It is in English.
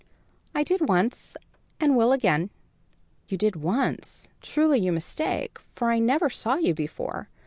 "I did once, and will again." "You did once? Truly you mistake, for I never saw you before.